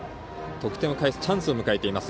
得点を返すチャンスを迎えています。